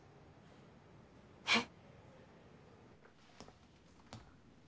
えっ？